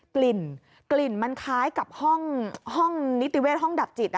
กลิ่นกลิ่นมันคล้ายกับห้องนิติเวศห้องดับจิต